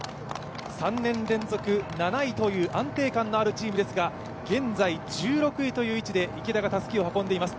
３年連続７位という安定感のあるチームですが現在１６位という位置で池田がたすきを運んでいます。